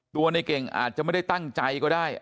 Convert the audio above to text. ในเก่งอาจจะไม่ได้ตั้งใจก็ได้